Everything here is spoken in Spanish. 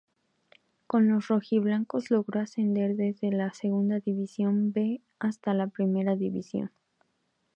Con los rojiblancos logró ascender desde la Segunda División B hasta la Primera División.